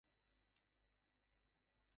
কেমন অনেক দূর, না?